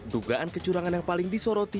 dugaan kecurangan yang paling disoroti